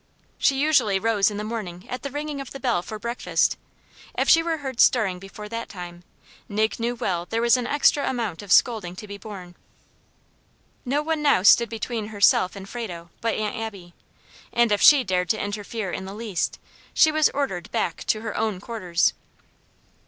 She usually rose in the morning at the ringing of the bell for breakfast; if she were heard stirring before that time, Nig knew well there was an extra amount of scolding to be borne. No one now stood between herself and Frado, but Aunt Abby. And if SHE dared to interfere in the least, she was ordered back to her "own quarters."